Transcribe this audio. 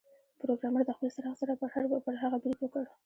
پروګرامر د خپل څراغ سره پر هغه برید وکړ